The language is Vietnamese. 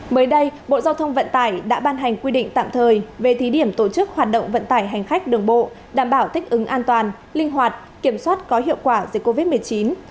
mới đây bộ giao thông vận tải đã ban hành quy định tạm thời về thí điểm tổ chức hoạt động vận tải hành khách đường bộ đảm bảo thích ứng an toàn linh hoạt kiểm soát có hiệu quả dịch covid một mươi chín